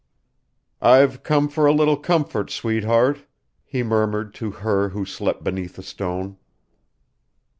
"I've come for a little comfort, sweetheart," he murmured to her who slept beneath the stone.